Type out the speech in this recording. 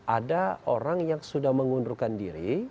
ada orang yang sudah mengundurkan diri